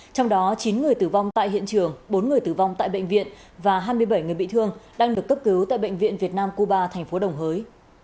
trong đó chín người tử vong tại hiện trường bốn người tử vong tại bệnh viện và hai mươi bảy người bị thương đang được cấp cứu tại bệnh viện việt nam cuba thành phố đồng hới